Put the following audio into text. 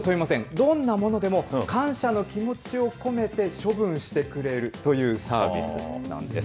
どんな物でも感謝の気持ちを込めて処分してくれるというサービスなんです。